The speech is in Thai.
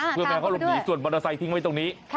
เพื่อไม่ให้เขาหลบหนีส่วนมอเตอร์ไซคิ้งไว้ตรงนี้